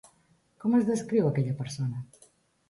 Com es descriu aquella persona?